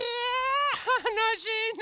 たのしいね！